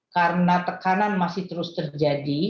karena tekanan masih terus terjadi